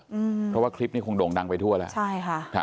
อืมเพราะว่าคลิปนี้คงโด่งดังไปทั่วแล้วใช่ค่ะครับ